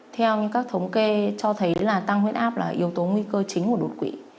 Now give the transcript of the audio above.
theo các thống kê cho thấy là tăng huyết áp là yếu tố nguy cơ chính của đột quỵ